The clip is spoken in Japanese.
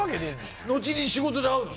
後に仕事で会うの？